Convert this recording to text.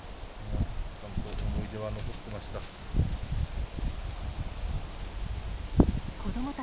ちゃんと思い出は残ってました。